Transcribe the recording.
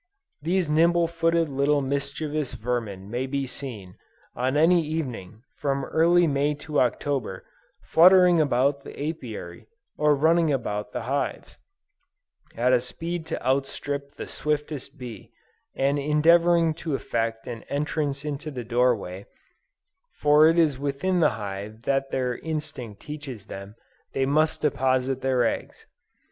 These nimble footed little mischievous vermin may be seen, on any evening, from early May to October, fluttering about the apiary, or running about the hives, at a speed to outstrip the swiftest bee, and endeavoring to effect an entrance into the door way, for it is within the hive that their instinct teaches them they must deposit their eggs.